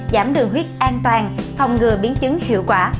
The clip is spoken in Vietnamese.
giảm đường huyết an toàn phòng ngừa biến chứng hiệu quả